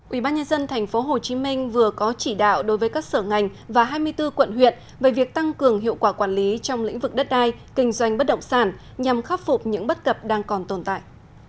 ubnd tp hcm vừa có chỉ đạo đối với các sở ngành và hai mươi bốn quận huyện về việc tăng cường hiệu quả quản lý trong lĩnh vực đất đai kinh doanh bất động sản nhằm khắc phục những bất cập đang còn tồn tại